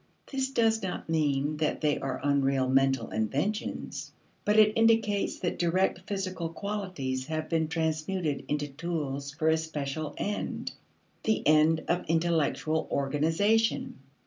This does not mean that they are unreal mental inventions, but it indicates that direct physical qualities have been transmuted into tools for a special end the end of intellectual organization.